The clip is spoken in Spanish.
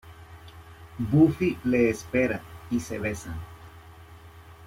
Buffy le espera y se besan.